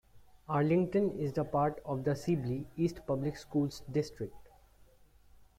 Arlington is part of the Sibley East Public Schools district.